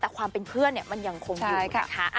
แต่ความเป็นเพื่อนมันยังคงอยู่นะคะ